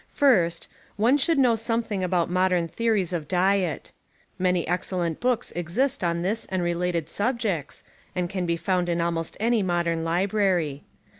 First, one should know something about modern theories of diet. Many excellent books exist on this and related subjects, and can be found in almost any modern library.